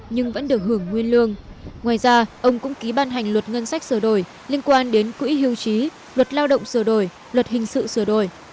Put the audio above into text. nhưng vẫn được hưởng nguyên lương ngoài ra ông cũng ký ban hành luật ngân sách sửa đổi liên quan đến quỹ hưu trí luật lao động sửa đổi luật hình sự sửa đổi